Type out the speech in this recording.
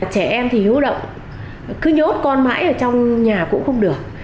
trẻ em thì hữu động cứ nhốt con mãi ở trong nhà cũng không được